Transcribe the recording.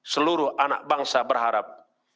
seluruh anak bangsa berharap